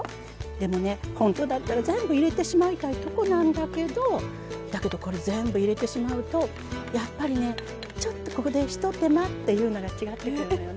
でもね、本当だったら全部、入れてしまいたいところなんだけどだけど、これ全部入れてしまうとやっぱりねちょっと、ひと手間っていうのが違ってくるのよね。